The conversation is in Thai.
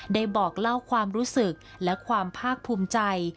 บอกเล่าความรู้สึกและความภาคภูมิใจ